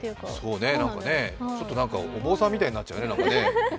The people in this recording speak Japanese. そうね、ちょっとお坊さんみたいになっちゃうよね。